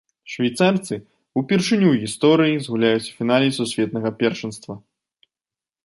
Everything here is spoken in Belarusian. Швейцарцы ўпершыню ў гісторыі згуляюць у фінале сусветнага першынства!